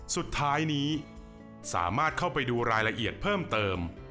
สุดท้ายนี้สามารถเข้าไปดูรายละเอียดเพิ่มเติม